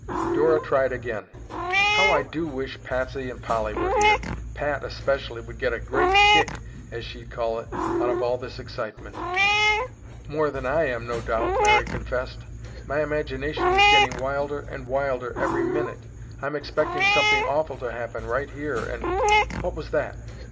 Dora tried again. "How I do wish Patsy and Polly were here! Pat, especially, would get a great 'kick,' as she'd call it, out of all this excitement." "More than I am, no doubt," Mary confessed. "My imagination is getting wilder and wilder every minute. I'm expecting something awful to happen right here and—what was that?"